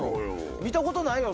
見たことないよ